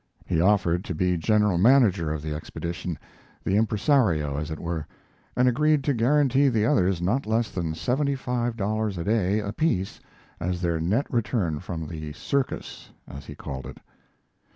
He offered to be general manager of the expedition, the impresario as it were, and agreed to guarantee the others not less than seventy five dollars a day apiece as their net return from the "circus," as he called it.